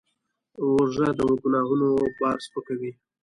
روژه د ګناهونو بار سپکوي.